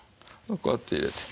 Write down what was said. こうやって入れて。